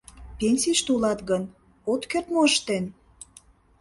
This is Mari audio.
Пенсийыште улат гын, от керт мо ыштен?